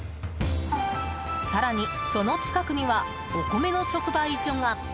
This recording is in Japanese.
更に、その近くにはお米の直売所が。